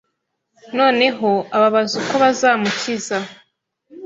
Noneho ababaza uko bazamukiza